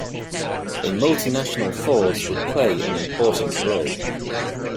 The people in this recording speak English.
A Multinational Force would play an important role.